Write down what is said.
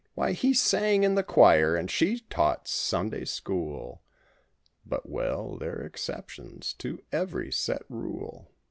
"Why he sang in the choir, and she taught Sunday School— But—well there're exceptions to every set rule!"